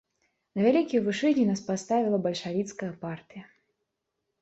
На вялікія вышыні нас паставіла бальшавіцкая партыя.